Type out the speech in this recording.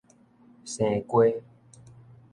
生瓜